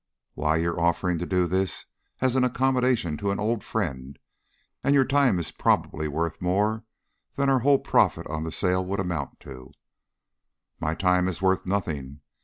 "Why, you're offering to do this as an accommodation to an old friend, and your time is probably worth more than our whole profit on the sale would amount to." "My time is worth nothing.